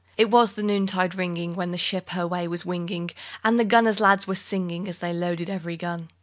It was noontide ringing When the ship her way was winging, And the gunner's lads were singing, As they loaded every gun.